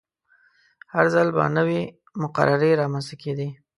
هر ځل به نوې مقررې رامنځته کیدې.